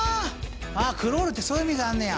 クロールってそういう意味があんねや。